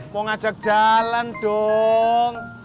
mau ngajak jalan dong